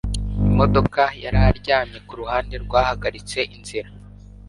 Imodoka yari aryamye kuruhande rwahagaritse inzira.